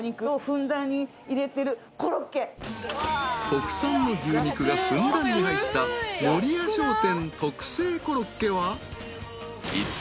［国産の牛肉がふんだんに入った森谷商店特製コロッケはいつも］